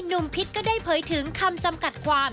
พิษก็ได้เผยถึงคำจำกัดความ